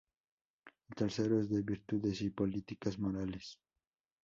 El tercero es de virtudes y políticas morales.